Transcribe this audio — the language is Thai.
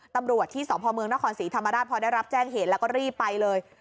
ตำรวจที่สพเมืองนครศรีธรรมราชพอได้รับแจ้งเหตุแล้วก็รีบไปเลย